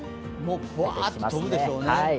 ブワっと飛ぶでしょうね。